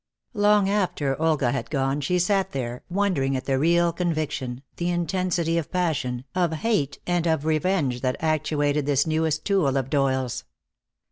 Long after Olga had gone she sat there, wondering at the real conviction, the intensity of passion, of hate and of revenge that actuated this newest tool of Doyle's.